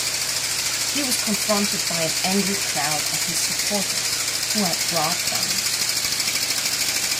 He was confronted by an angry crowd of his supporters, who had brought guns.